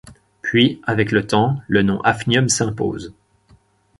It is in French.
Puis, avec le temps, le nom hafnium s'impose.